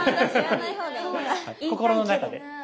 心の中で。